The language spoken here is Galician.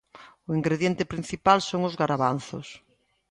O ingrediente principal son os garavanzos